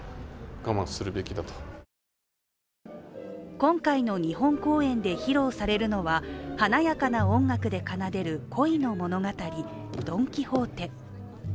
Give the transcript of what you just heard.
今回の日本公演で披露されるのは華やかな音楽で奏でる恋の物語、「ドン・キホーテ」。